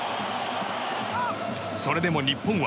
それでも日本は。